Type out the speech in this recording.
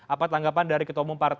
apa tanggapan dari ketomong pak jokowi